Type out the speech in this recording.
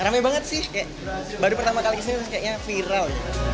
rame banget sih kayak baru pertama kali kesini kayaknya viral